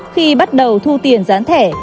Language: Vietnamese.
khi bắt đầu thu tiền dán thẻ